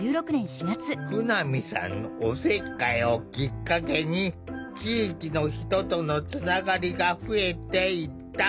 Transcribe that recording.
舩見さんのおせっかいをきっかけに地域の人とのつながりが増えていった。